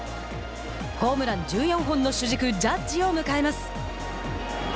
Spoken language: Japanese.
ホームラン１４本の主軸ジャッジを迎えます。